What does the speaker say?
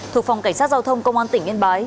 thuộc phòng cảnh sát giao thông công an tỉnh yên bái